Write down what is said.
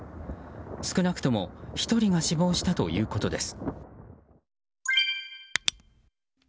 少なくとも１人が死亡したということです。